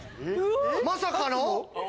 まさかの？